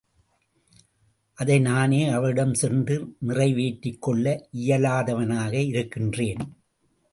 அதை நானே அவளிடம் சென்று நிறைவேற்றிக்கொள்ள இயலாதவனாக இருக்கின்றேன்.